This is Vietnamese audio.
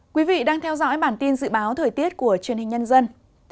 quý vị đang theo dõi bản tin dự báo thời tiết của truyền hình nhân dân